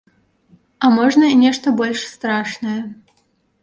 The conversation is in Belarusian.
А можна і нешта больш страшнае.